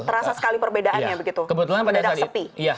terasa sekali perbedaannya begitu